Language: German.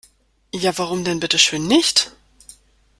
Ja, warum denn bitte schön nicht?